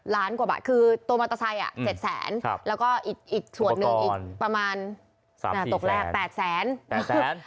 ล้านกว่าบาทคือตัวมอเตอร์ไซค์๗แสนแล้วก็อีกส่วนหนึ่งอีกประมาณตกแรก๘แสน